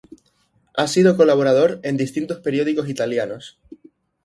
Ha sido colaborador en distintos periódicos italianos.